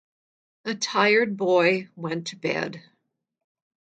A tired boy went to bed.